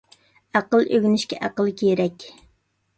ئەقىل ئۆگىنىشكە ئەقىل كېرەك.